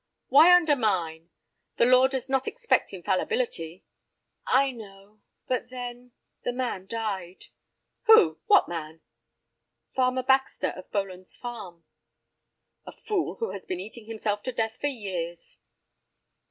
"Why 'undermine'?—why 'undermine'? The law does not expect infallibility." "I know—but then—the man died." "Who? What man?" "Farmer Baxter, of Boland's Farm." "A fool who has been eating himself to death for years."